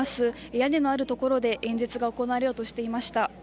屋根のある所で演説が行われようとしていました。